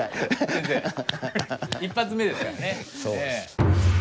先生１発目ですからね。